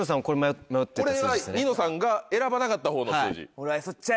これはニノさんが選ばなかった方の数字。